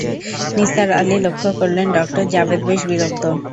নিসার আলি লক্ষ করলেন ডঃ জাবেদ বেশ বিরক্ত।